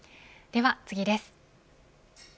では次です。